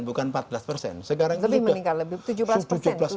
lebih meningkat lebih tujuh belas persen dari plastik